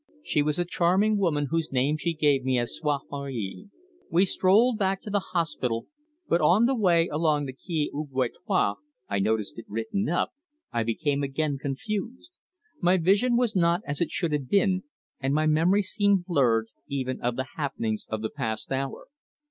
She was a charming woman, whose name she gave me as Soeur Marie. We strolled back to the hospital, but on the way along the Quai Duguay Trouin I noticed it written up I became again confused. My vision was not as it should have been, and my memory seemed blurred, even of the happenings of the past hour.